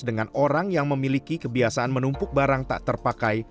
dengan orang yang memiliki kebiasaan menumpuk barang tak terpakai